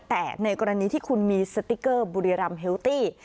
แต่ในกรณีที่คุณมีสติ๊กเกอร์บุรีรำเฮลตี้